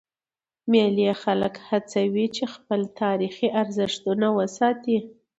مېلې خلک هڅوي، چي خپل تاریخي ارزښتونه وساتي.